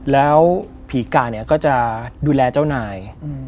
แล้วผีกะก็จะดูแลเจ้านาย